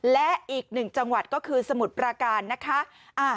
และอีกหนึ่งจังหวัดก็คือสมุทรปราการนะคะ